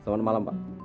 selamat malam pak